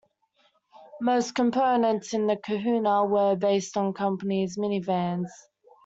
Most components in the Kahuna were based on the company's minivans.